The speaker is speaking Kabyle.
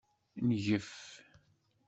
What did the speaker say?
Ngef.